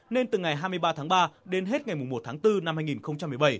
nên từ ngày hai mươi ba tháng ba đến hết ngày một tháng bốn năm hai nghìn một mươi bảy